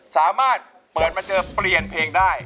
สามารถเปิดมาเจอเปลี่ยนเพลงได้